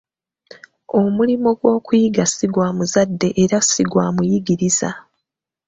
Omulimo gw'okuyiga ssi gwa muzadde era ssi gwa muyigiriza.